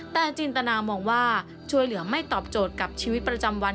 แต่จินตนามองว่าช่วยเหลือไม่ตอบโจทย์กับชีวิตประจำวัน